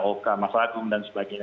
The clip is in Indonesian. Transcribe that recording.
oka mas agung dan sebagainya